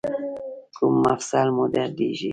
کوم مفصل مو دردیږي؟